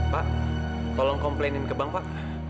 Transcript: pak tolong komplainin ke bank pak